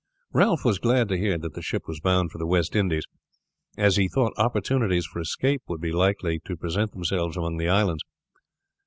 Ralph was glad to hear that the ship was bound for the West Indies, as he thought opportunities for escape would be likely to present themselves among the islands.